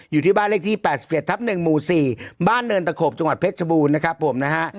อยู่ที่บ้านเลขที่๘๗ทับ๑หมู่๔บ้านเนินตะขบจังหวัดเพชรชบูรณ์นะครับผมนะฮะ